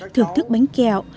thưởng thức bánh kẹo